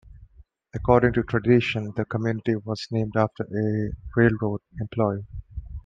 According to tradition, the community was named after a railroad employee.